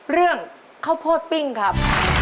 เรื่องข้าวโพดปิ้งครับ